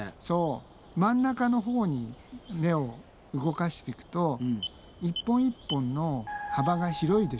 真ん中のほうに目を動かしていくと一本一本の幅が広いでしょ。